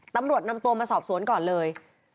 ตำรวจนำตัวมาสอบสวนก่อนเลย